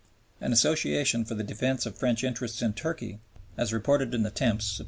An association for the defense of French interests in Turkey, as reported in the Temps (Sept.